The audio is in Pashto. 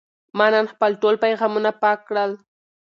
ما نن خپل ټول پیغامونه پاک کړل.